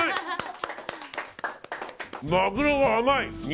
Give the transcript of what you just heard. マグロが甘い。